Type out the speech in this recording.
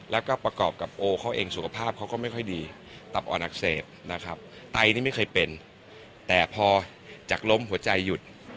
แล้วก็ประกอบกับโอเขาเองสุขภาพเขาก็ไม่ค่อยดีตับอ่อนอักเสบนะครับไตนี่ไม่เคยเป็นแต่พอจากล้มหัวใจหยุด